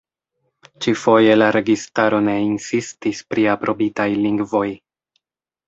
Ĉi-foje la registaro ne insistis pri aprobitaj lingvoj.